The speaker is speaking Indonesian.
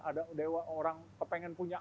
ada dewa orang kepengen punya